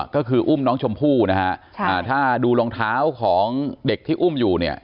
ก็คืออุ้มน้องชมพู่นะฮะถ้าดูรองเท้าของเด็กที่อุ้มอยู่เนี่ย